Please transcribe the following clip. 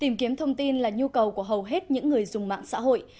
tìm kiếm thông tin là nhu cầu của hầu hết những người dùng mạng xã hội